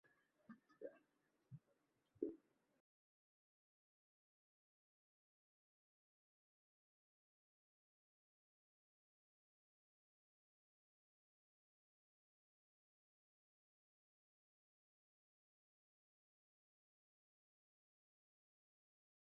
তিনি নিজের দৃঢ় ছন্দবোধের সাক্ষর রেখেছেন।